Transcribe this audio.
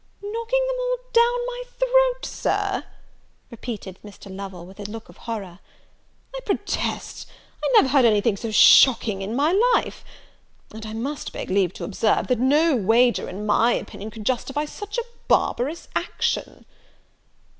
"Knocking them all down my throat, Sir!" repeated Mr. Lovel, with a look of horror; "I protest I never heard any thing so shocking in my life! And I must beg leave to observe, that no wager, in my opinion, could justify such a barbarous action."